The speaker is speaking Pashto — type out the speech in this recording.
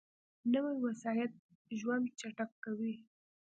نوې وسایط ژوند چټک کوي